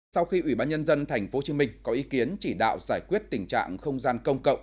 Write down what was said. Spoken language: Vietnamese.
sau khi ủy ban nhân dân tp hcm có ý kiến chỉ đạo giải quyết tình trạng không gian công cộng